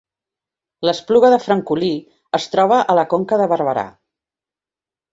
L’Espluga de Francolí es troba a la Conca de Barberà